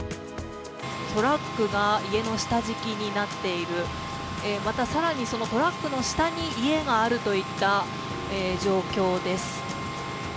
トラックが家の下敷きになっている、また更にそのトラックの下に家があるといった状況です。